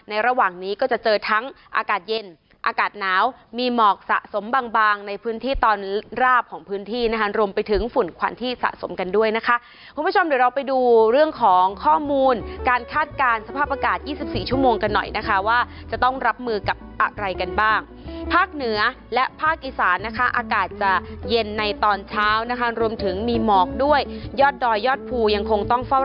ระหว่างนี้ก็จะเจอทั้งอากาศเย็นอากาศหนาวมีหมอกสะสมบางบางในพื้นที่ตอนราบของพื้นที่นะคะรวมไปถึงฝุ่นควันที่สะสมกันด้วยนะคะคุณผู้ชมเดี๋ยวเราไปดูเรื่องของข้อมูลการคาดการณ์สภาพอากาศ๒๔ชั่วโมงกันหน่อยนะคะว่าจะต้องรับมือกับอะไรกันบ้างภาคเหนือและภาคอีสานนะคะอากาศจะเย็นในตอนเช้านะคะรวมถึงมีหมอกด้วยยอดดอยยอดภูยังคงต้องเฝ้า